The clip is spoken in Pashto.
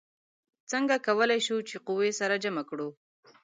څنګه کولی شو چې قوې سره جمع کړو؟